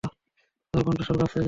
তোর কণ্ঠস্বর কাঁপছে কেন?